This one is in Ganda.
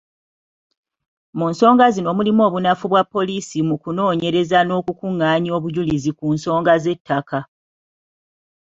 Mu nsonga zino mulimu obunafu bwa poliisi mu kunoonyereza n’okukungaanya obujulizi ku nsonga z’ettaka